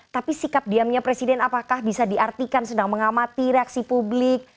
tapi sikap diamnya presiden apakah bisa diartikan sedang mengamati reaksi publik